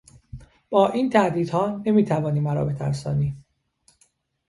با این تهدیدها نمیتوانی مرا بترسانی!